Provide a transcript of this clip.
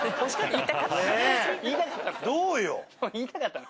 言いたかったの？